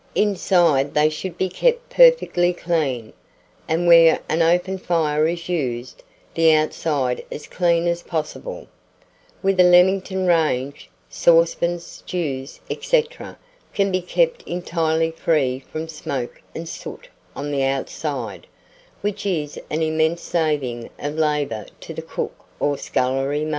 Inside they should be kept perfectly clean, and where an open fire is used, the outside as clean as possible. With a Leamington range, saucepans, stewpans, &c., can be kept entirely free from smoke and soot on the outside, which is an immense saving of labour to the cook or scullery maid.